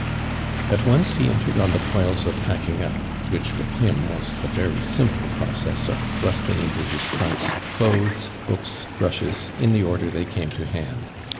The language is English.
At once he entered on the toils of pack ing up, which with him was the very simple process of thrusting into his trunks, clothes, . hooks, brushes, in the order they came to hand.